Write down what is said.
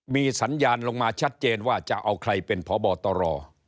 มีสัญญาณลงมาชัดเจนว่าจะเอาใครเป็นพบตร